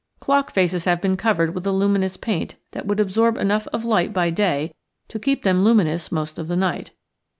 Clock faces have been cov ered with a luminous paint that would absorb enough of light by day to keep them luminous most of the night.